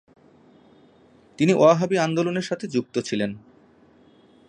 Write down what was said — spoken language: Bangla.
তিনি ওয়াহাবী আন্দোলন এর সাথে যুক্ত ছিলেন।